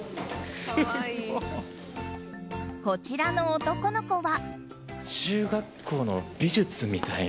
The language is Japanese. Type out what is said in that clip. すごい！こちらの男の子は。